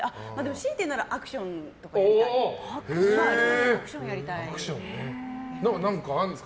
しいて言うならアクションとかやりたいです。